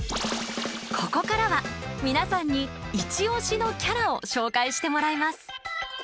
ここからは皆さんにイチ推しのキャラを紹介してもらいます！